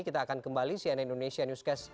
kita akan kembali cnn indonesia newscast